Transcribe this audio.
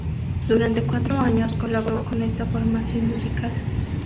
Durante cuatro años colaboró con esta formación musical.